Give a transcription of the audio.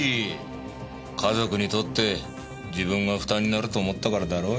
家族にとって自分が負担になると思ったからだろうよ。